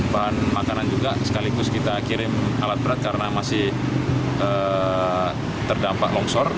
bahan makanan juga sekaligus kita kirim alat berat karena masih terdampak longsor